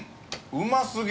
うますぎ！